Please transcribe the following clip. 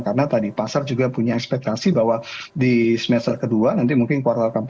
karena tadi pasar juga punya ekspektasi bahwa di semester ke dua nanti mungkin kuartal ke empat